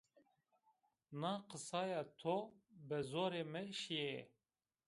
Na qisaya to bi zorê mi şîye